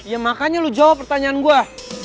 ya makanya lu jawab pertanyaan gue